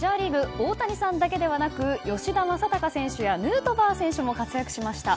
大谷さんだけではなく吉田正尚選手やヌートバー選手も活躍しました。